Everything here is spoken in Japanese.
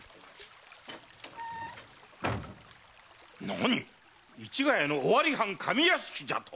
なにっ⁉市ヶ谷の尾張藩上屋敷じゃと？